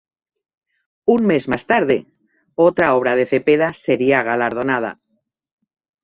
Un mes más tarde, otra obra de Cepeda sería galardonada.